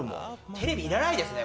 テレビいらないですね。